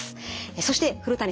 そして古谷さん